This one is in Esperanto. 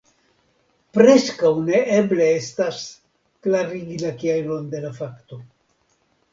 Preskaŭ neeble estas, klarigi la kialon de la fakto.